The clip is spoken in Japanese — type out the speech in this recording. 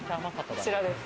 こちらです。